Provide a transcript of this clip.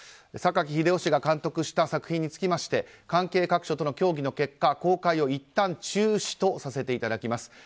榊英雄氏が監督した作品につきまして関係各所との協議の結果公開をいったん中止とさせていただきます。